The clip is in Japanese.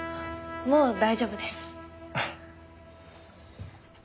もう大丈夫です。